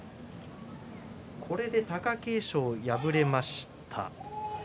これで貴景勝、敗れました。